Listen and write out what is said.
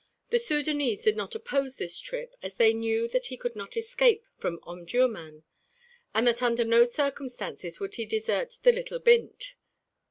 The Sudânese did not oppose this trip as they knew that he could not escape from Omdurmân and that under no circumstances would he desert the little "bint."